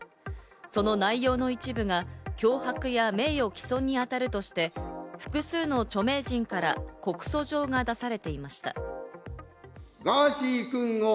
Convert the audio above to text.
その内容の一部が脅迫や名誉毀損にあたるとして、複数の著名人から告訴状が出されていました。